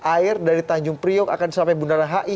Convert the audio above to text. air dari tanjung priok akan sampai bundaran hi